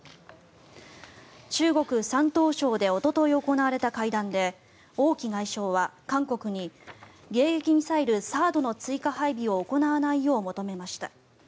中国・山東省でおととい行われた会談で王毅外相は韓国に迎撃ミサイル、ＴＨＡＡＤの追加配備を行わないよう求めました。